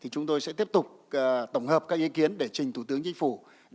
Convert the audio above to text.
chúng tôi sẽ tiếp tục tổng hợp các ý kiến để trình thủ tướng chính phủ